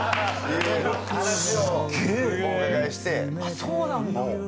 そうなんだ。